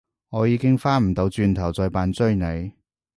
我已經返唔到轉頭再扮追你